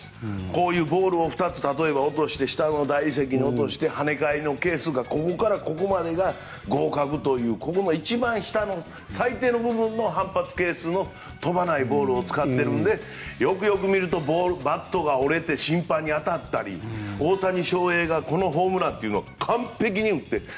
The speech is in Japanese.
こういうボールを２つ、例えば下の大理石に落として跳ね返りの係数がここからここまでが合格という一番下の最低の部分の反発係数の飛ばないボールを使っているのでよくよく見るとバットが折れて審判に当たったり大谷翔平がホームランというのを完璧に打っても。